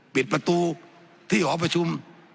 ปิดประตูที่หอประชุม